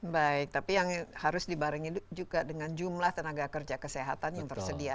baik tapi yang harus dibarengin juga dengan jumlah tenaga kerja kesehatan yang tersedia